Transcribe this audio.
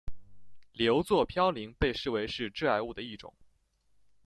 硫唑嘌呤被视为是致癌物的一种。